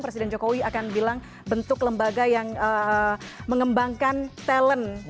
presiden jokowi akan bilang bentuk lembaga yang mengembangkan talent